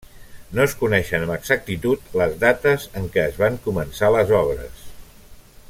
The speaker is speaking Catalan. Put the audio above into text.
No es coneixen amb exactitud les dates en què es van començar les obres.